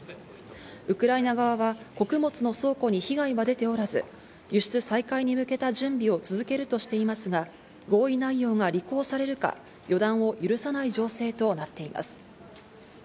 ウクライナ側は穀物の倉庫に被害は出ておらず、輸出再開に向けた準備を続けるとしていますが、合意内容が履行されるか、予断を許さない情勢となっています。